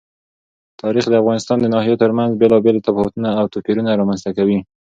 تاریخ د افغانستان د ناحیو ترمنځ بېلابېل تفاوتونه او توپیرونه رامنځ ته کوي.